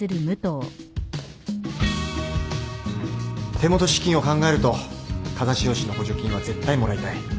手元資金を考えると風汐市の補助金は絶対もらいたい